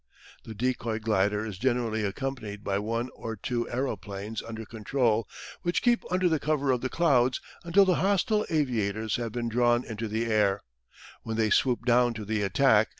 The decoy glider is generally accompanied by one or two aeroplanes under control, which keep under the cover of the clouds until the hostile aviators have been drawn into the air, when they swoop down to the attack.